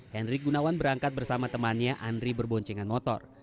hendrik gunawan berangkat bersama temannya andri berboncengan motor